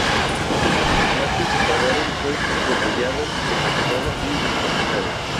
Tras su muerte, su cadáver fue desollado, decapitado y descuartizado.